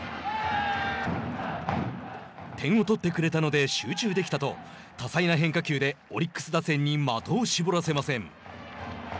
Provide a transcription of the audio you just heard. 点を取ってくれたので集中できたと多彩な変化球でオリックス打線に的を絞らせません。